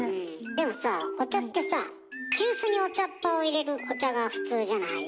でもさお茶ってさ急須にお茶っ葉を入れるお茶が普通じゃない？